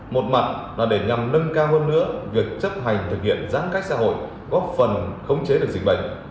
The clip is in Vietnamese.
một mặt là để nhằm nâng cao hơn nữa việc chấp hành thực hiện giãn cách xã hội góp phần khống chế được dịch bệnh